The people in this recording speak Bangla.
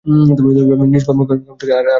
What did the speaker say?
নিষ্কাম কর্ম থেকে কারও কারও ব্রহ্মজ্ঞান হতে পারে।